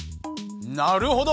なるほど！